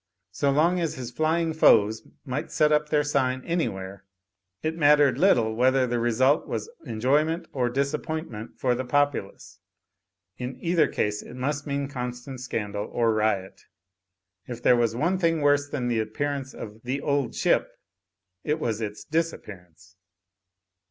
So long as his flying foes might set up their sign any where, it mattered little whether the result was enjoy ment or disappointment for the populace* In either case it must mean constant scandal or riot. If there was one thing worse than the appearance of "The Old Ship*' it was its disappearance.